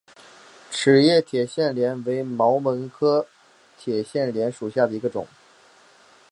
齿叶铁线莲为毛茛科铁线莲属下的一个种。